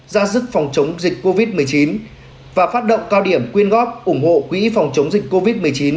ra sức phòng chống dịch covid một mươi chín và phát động cao điểm quyên góp ủng hộ quỹ phòng chống dịch covid một mươi chín